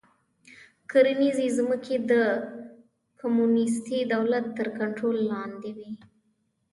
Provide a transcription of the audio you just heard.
کرنیزې ځمکې د کمونېستي دولت تر کنټرول لاندې وې